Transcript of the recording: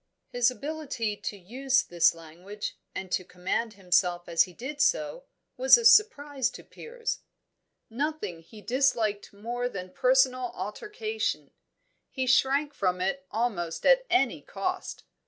His ability to use this language, and to command himself as he did so, was a surprise to Piers. Nothing he disliked more than personal altercation; he shrank from it at almost any cost.